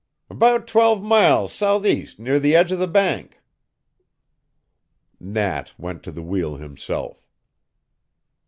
"About twelve mile sou'east near the edge of the Bank." Nat went to the wheel himself.